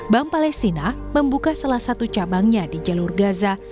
bank palestina membuka salah satu cabangnya di jalur gaza